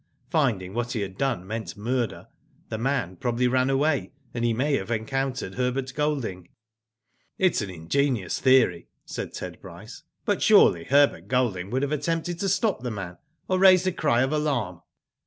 Finding what he had done meant murder the man probably ran away, and he may have encountered Herbert Golding." " It is an ingenious theory," said Ted Bryce. " But surely Herbert Golding would have attempted to stop the man, or raised a cry of alarm